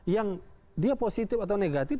yang dia positif atau negatif